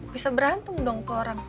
bisa berantem dong ke orang